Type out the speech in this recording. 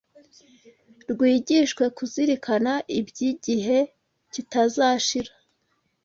rwigishwe kuzirikana iby’igihe kitazashira.